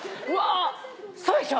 そうでしょ？